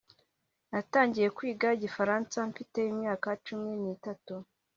Natangiye kwiga igifaransa mfite imyaka cumi nitatu